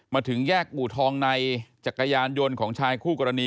มาถึงแยกอู่ทองในจักรยานยนต์ของชายคู่กรณี